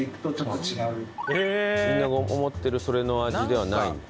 みんなが思ってるそれの味ではないんだ。